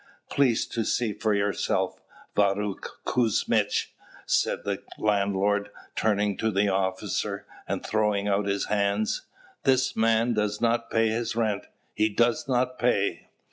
"Please to see for yourself, Varukh Kusmitch," said the landlord, turning to the officer, and throwing out his hands, "this man does not pay his rent, he does not pay."